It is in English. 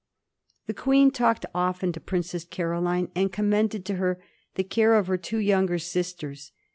The Queen talked often to Princess Caroline, and com mended to her the care of her two younger sisters.